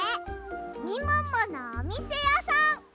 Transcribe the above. みもものおみせやさん！